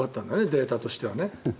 データとしてはね。